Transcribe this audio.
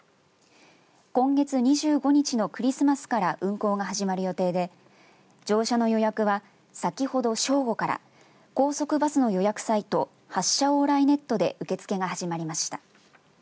今月２５日のクリスマスから運行が始まる予定で乗車の予約は先ほど正午から高速バスの予約サイト発車オーライネットで受け付けが始まりました。